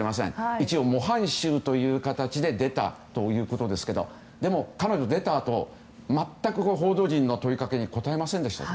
一応、模範囚という形で出たということですけどでも、彼女は出たあと全く報道陣の問いかけに答えませんでしたよね。